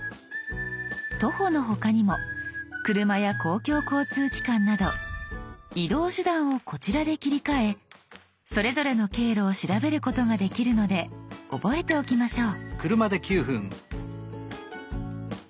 徒歩の他にも車や公共交通機関など移動手段をこちらで切り替えそれぞれの経路を調べることができるので覚えておきましょう。